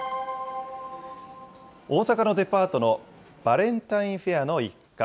大阪のデパートのバレンタインフェアの一角。